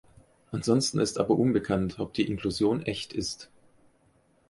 Ansonsten ist aber unbekannt, ob die Inklusion echt ist.